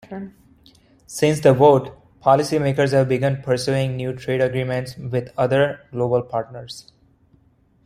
Since the vote, policymakers have begun pursuing new trade agreements with other global partners.